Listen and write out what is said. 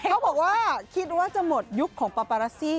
เขาบอกว่าคิดว่าจะหมดยุคของปาปารัสซี่